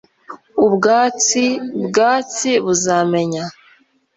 ubwatsi-bwatsi buzamenya